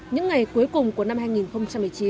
những ngày cuối cùng của năm hai nghìn một mươi chín